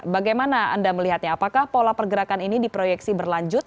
bagaimana anda melihatnya apakah pola pergerakan ini diproyeksi berlanjut